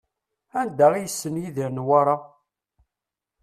Anda i yessen Yidir Newwara?